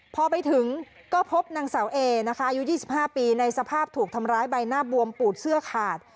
พอไปถึงก็พบนางสาวเอนะคะอายุ๒๕ปีในสภาพถูกทำร้ายใบหน้าบวมปูดเสื้อขาด